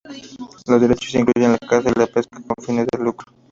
Los derechos incluyen la caza y la pesca con fines de lucro.